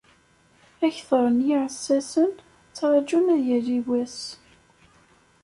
Akter n yiɛessasen yettraǧun ad yali wass.